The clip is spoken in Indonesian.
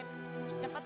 pak pak pak